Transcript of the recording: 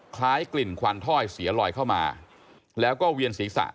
คล้ายกลิ่นควันถ้อยเสียลอยเข้ามาแล้วก็เวียนศีรษะ